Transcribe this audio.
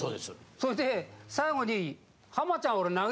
そして最後に。